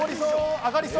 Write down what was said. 上がりそう！